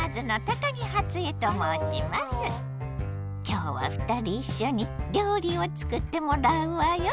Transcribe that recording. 今日は２人いっしょに料理を作ってもらうわよ！